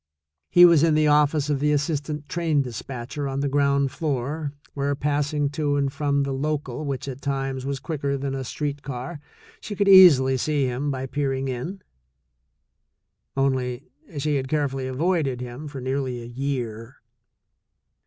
He was in the office of the assistant train despatcher on the ground floor, where passing to and from the local, which, at times, was quicker than a street car, she could easily see him by peering in; only, she had carefully avoided him for nearly a year.